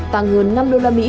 tăng hơn năm đô la mỹ